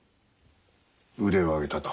腕を上げたと。